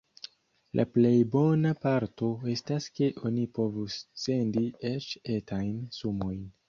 La plej bona parto estas ke oni povus sendi eĉ etajn sumojn.